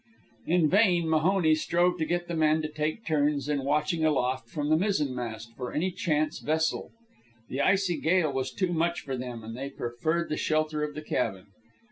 In vain Mahoney strove to get the men to take turns in watching aloft from the mizzenmast for any chance vessel. The icy gale was too much for them, and they preferred the shelter of the cabin.